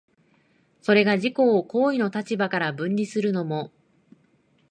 それが自己を行為の立場から分離するのも、